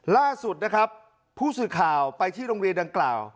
ล่าสุดนะครับผู้สื่อข่าวไปที่โรงเรียนดังกล่าว